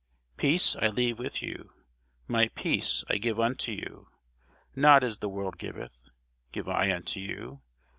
Peace I leave with you, my peace I give unto you: not as the world giveth, give I unto you.